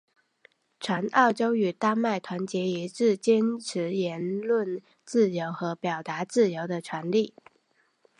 全欧洲与丹麦团结一致坚持言论自由和表达自由的权利。